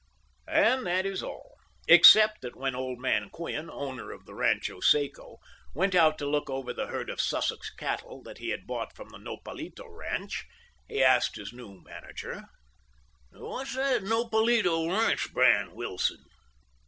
And that is all, except that when old man Quinn, owner of the Rancho Seco, went out to look over the herd of Sussex cattle that he had bought from the Nopalito ranch, he asked his new manager: "What's the Nopalito ranch brand, Wilson?"